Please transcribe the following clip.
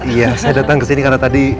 iya saya datang kesini karena tadi